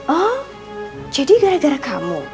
oh jadi gara gara kamu